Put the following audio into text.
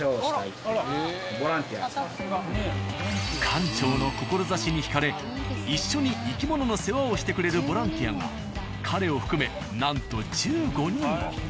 館長の志に引かれ一緒に生き物の世話をしてくれるボランティアが彼を含めなんと１５人も。